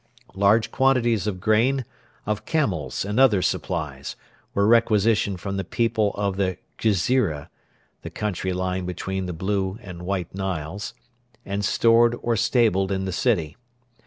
Large quantities of grain, of camels and other supplies, were requisitioned from the people of the Ghezira (the country lying between the Blue and White Niles) and stored or stabled in the city.